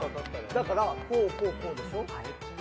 だから、こうこうこうでしょ。